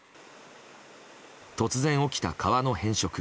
突然起きた川の変色。